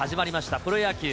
プロ野球。